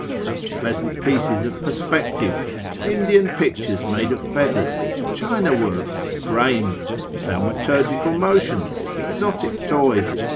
such pleasant pieces of perspective, Indian pictures made of feathers, China works, frames, thaumaturgical motions, exotic toys, &c.